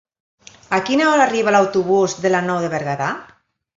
A quina hora arriba l'autobús de la Nou de Berguedà?